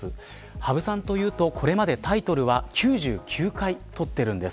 羽生さんというとこれまでタイトルは９９回、取っているんです。